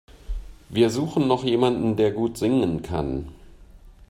Wir suchen noch jemanden, der gut singen kann.